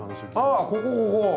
ああここここ！